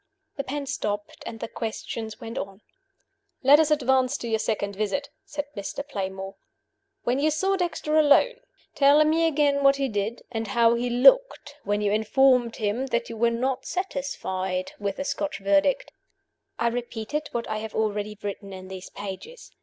The pen stopped; and the questions went on. "Let us advance to your second visit," said Mr. Playmore, "when you saw Dexter alone. Tell me again what he did, and how he looked when you informed him that you were not satisfied with the Scotch Verdict." I repeated what I have already written in these pages.